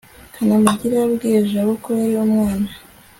kanamugire yabwiye jabo ko yari umwana